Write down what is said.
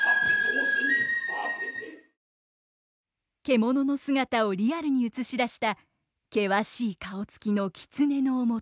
獣の姿をリアルに映し出した険しい顔つきの狐の面。